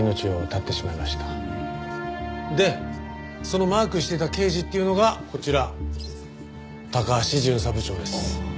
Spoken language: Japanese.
そのマークしていた刑事っていうのがこちら高橋巡査部長です。